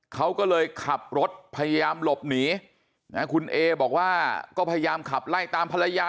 เขาก็เลยขับรถพยายามหลบหนีคุณเอบอกว่าก็พยายามขับไล่ตามภรรยา